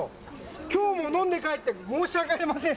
きょうも飲んで帰って申し訳ありません。